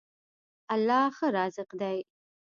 الله ښه رازق دی.